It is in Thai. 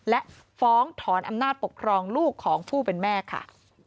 และฟ้องถอนอำนาจปกครองลูกของผู้เป็นแม่ค่ะ